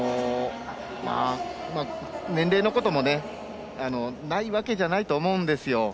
年齢のこともないわけじゃないと思うんですよ。